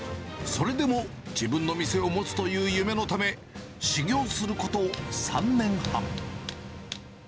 それでも自分の店を持つという夢のため、修業すること３年半。